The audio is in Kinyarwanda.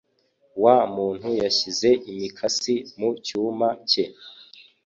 Wa muntu yashyize imikasi mu cyuma cye.